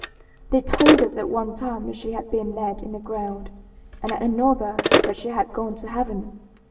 "They told us at one time that she had been laid in the ground, and at another that she had gone to heaven.